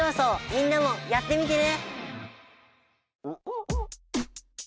みんなもやってみてね！